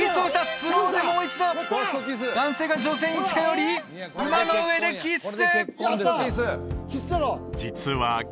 スローでもう一度男性が女性に近寄り馬の上でキッス！